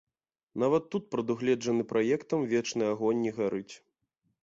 Нават тут прадугледжаны праектам вечны агонь не гарыць.